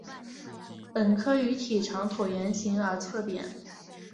本科鱼体长椭圆形而侧扁。